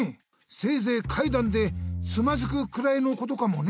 せいぜいかいだんでつまずくくらいのことかもね。